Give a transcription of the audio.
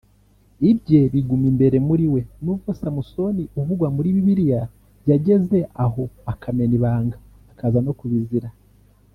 ibye biguma imbere muri we nubwo Samson uvugwa muri Bibiliya yageze aho akamena ibanga akaza no kubizira